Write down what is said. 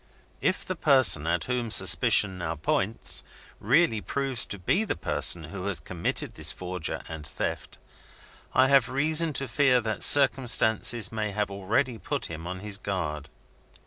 "If the person, at whom suspicion now points, really proves to be the person who has committed this forger and theft, I have reason to fear that circumstances may have already put him on his guard.